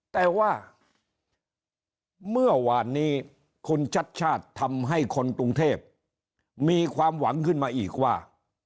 แต่ว่าเมื่อวานนี้คุณชัดชาติทำให้คนกรุงเทพมีความหวังขึ้นมาอีกว่า